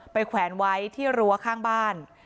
แขวนไว้ที่รั้วข้างบ้าน